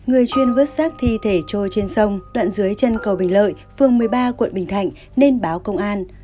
người chuyên vớt xác thi thể trôi trên sông đoạn dưới chân cầu bình lợi phường một mươi ba quận bình thạnh nên báo công an